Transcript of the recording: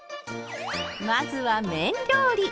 まずは麺料理。